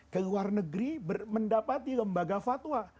keluar negeri mendapati lembaga fatwa